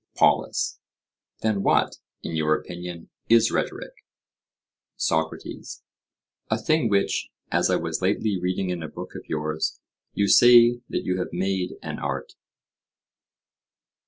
POLUS: Then what, in your opinion, is rhetoric? SOCRATES: A thing which, as I was lately reading in a book of yours, you say that you have made an art.